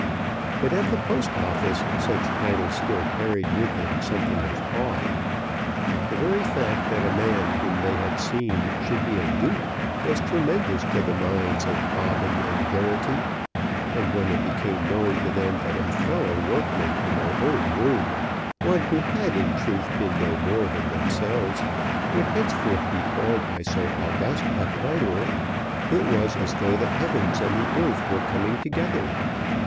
But at the Post Office such titles still carried with them something of awe. The very fact that a man whom they had seen should be a Duke was tremendous to the minds of Bobbin and Geraghty; and when it became known to them that a fellow workman in their own room, one who had in truth been no more than themselves, would henceforth be called by so august a title, it was as though the heavens and the earth were coming together.